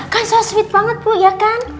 kan so sweet banget bu ya kan